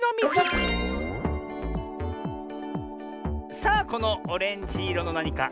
さあこのオレンジいろのなにかね